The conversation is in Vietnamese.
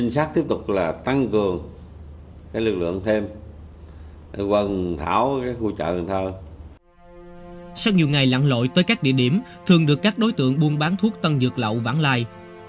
sau nhiều ngày lặng lội tới các địa điểm thường được các đối tượng buôn bán thuốc tân dược lậu vãng lai